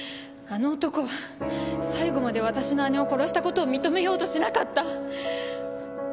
あの男は最後まで私の姉を殺した事を認めようとしなかった。